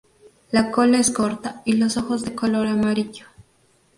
La cola es corta y los ojos de color amarillo.